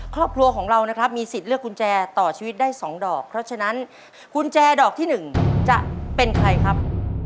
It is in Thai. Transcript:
ครอบครัวของเรานะครับมีสิทธิ์เลือกกุญแจต่อชีวิตได้๒ดอกเพราะฉะนั้นกุญแจดอกที่๑จะเป็นใครครับ